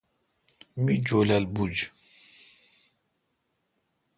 می جولال بوُجھ۔